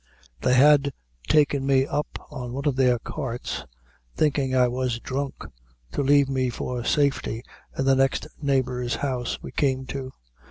"They had taken me up on one of their carts, thinkin' I was dhrunk, to lave me for safety in the next neighbor's house we came to.